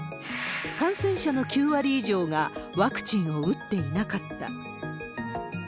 感染者の９割以上がワクチンを打っていなかった。